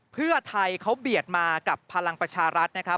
เพื่อไทยเขาเบียดมากับพลังประชารัฐนะครับ